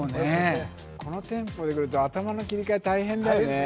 このテンポで来ると頭の切り替えが大変だよね。